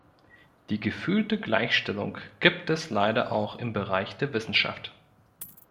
Die gefühlte Gleichstellung gibt es leider auch im Bereich der Wissenschaft.